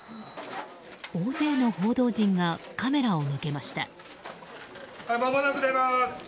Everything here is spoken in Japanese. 大勢の報道陣がカメラを向けました。